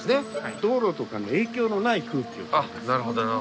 道路とかの影響のない空気をとります。